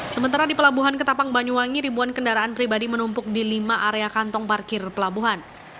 sementara di pelabuhan ketapang banyuwangi ribuan kendaraan pribadi menumpuk di lima area kantong parkir pelabuhan